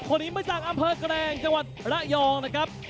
คนนี้มาจากอำเภอแกรงจังหวัดระยองนะครับ